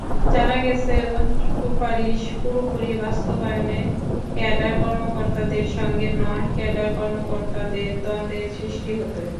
জানা গেছে, সুপারিশ পুরোপুরি বাস্তবায়নে ক্যাডার কর্মকর্তাদের সঙ্গে নন-ক্যাডার কর্মকর্তাদের দ্বন্দ্বের সৃষ্টি হতে।